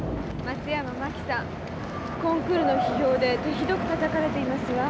松山真紀さんコンクールの批評で手ひどくたたかれていますわ。